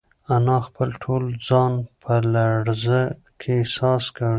انا خپل ټول ځان په لړزه کې احساس کړ.